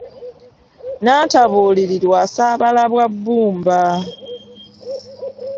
Nnantabuulirirwa alisaabala bwa bbumba